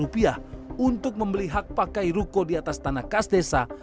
rp satu ratus lima puluh juta untuk membeli hak pakai ruko di atas tanah kas desa